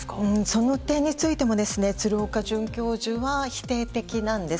その点についても鶴岡准教授は否定的なんです。